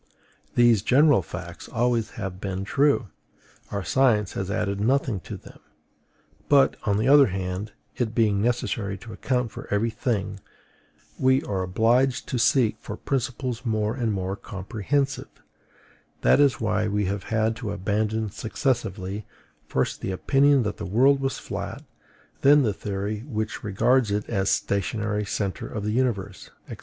These general facts always have been true; our science has added nothing to them. But, on the other hand, it being necessary to account for every thing, we are obliged to seek for principles more and more comprehensive: that is why we have had to abandon successively, first the opinion that the world was flat, then the theory which regards it as the stationary centre of the universe, &c.